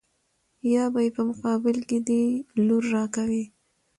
يا به يې په مقابل کې دې لور را کوې.